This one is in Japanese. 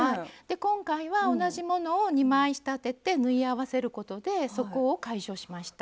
今回は同じものを２枚仕立てて縫い合わせることでそこを解消しました。